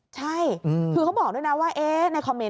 ใช่คือเขาบอกด้วยนะว่าในคอมเมนต